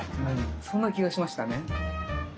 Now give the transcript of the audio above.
そんな気がしましたね。